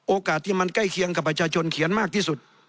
โอกาสที่มันใกล้เคียงกับประชาชนเขียนมากที่สุด